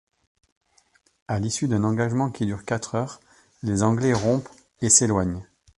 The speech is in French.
À l'issue d'un engagement qui dure quatre heures les Anglais rompent et s'éloignent.